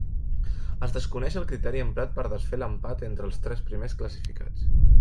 Es desconeix el criteri emprat per desfer l'empat entre els tres primers classificats.